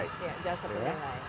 iya jasa penilai